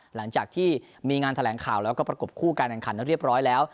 หลังจากที่มีงานแถลงข่าวแล้วก็ประกบคู่การแข่งขันเรียบร้อยแล้ว